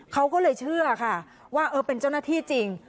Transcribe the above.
เขาก็เลยเชื่อค่ะว่าเออเป็นเจ้าหน้าที่จริง